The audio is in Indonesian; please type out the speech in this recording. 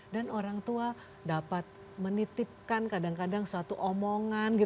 dan orang tua dapat menitipkan kadang kadang suatu omongan